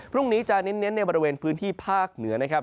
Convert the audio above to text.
พรุ่งนี้จะเน้นในบริเวณพื้นที่ภาคเหนือนะครับ